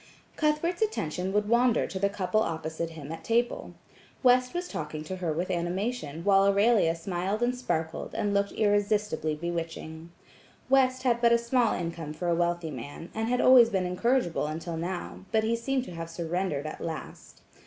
Cuthbert's attention would wander to the couple opposite him at table. West was talking to her with animation, while Aurelia smiled and sparkled, and looked irresistibly bewitching. West had but a small income for a wealthy man, and had always been incorrigible until now, but he seemed to have surrendered at last.